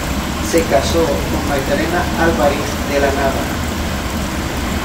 Se casó con Magdalena Álvarez de la Nava.